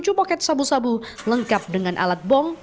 tujuh poket sabu sabu lengkap dengan alat bom